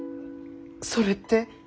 それって。